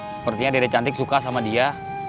sepertinya dede cantik suka sama dia